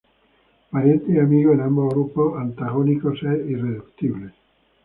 Parientes y amigos en ambos grupos antagónicos e irreductibles.